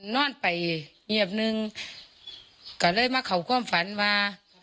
นอนไปเงียบนึงก็เลยมาเขาความฝันมา